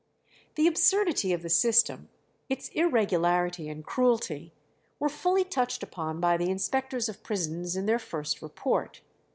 The absurdity of the system, its irregularity and cruelty, were fully touched upon by the inspectors of prisons in their first report.